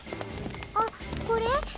あっこれ？